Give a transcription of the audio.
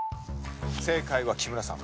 正解は木村さん